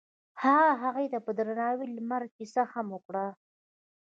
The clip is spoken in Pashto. هغه هغې ته په درناوي د لمر کیسه هم وکړه.